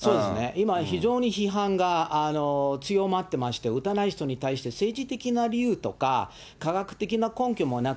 今、非常に批判が強まってまして、打たない人に対して、政治的な理由とか、科学的な根拠もなく。